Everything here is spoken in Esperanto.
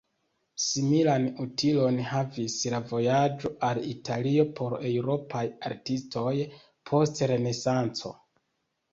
Similan utilon havis la vojaĝo al Italio por eŭropaj artistoj post Renesanco.